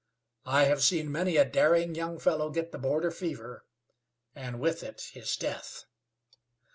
I have seen many a daring young fellow get the border fever, and with it his death.